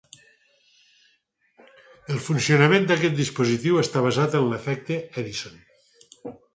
El funcionament d'aquest dispositiu està basat en l'efecte Edison.